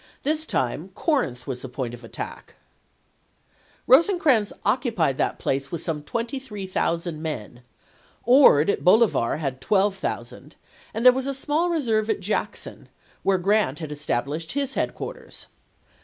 This time Corinth was the point of attack. Rosecrans occupied that place with some 23,000 men, Ord at Bolivar had 12,000, and there was a small reserve at Jackson, where Grant had established his headquarters.